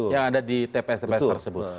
yang ada di tps tps tersebut